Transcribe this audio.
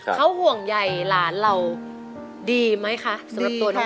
เขาห่วงใหญ่หลานเราดีไหมคะสำหรับตัวน้อง